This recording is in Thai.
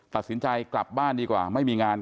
ตัดสินใจกลับบ้านดีกว่าไม่มีงาน